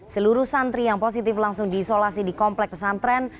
seluruh santri yang positif langsung diisolasi di komplek pesantren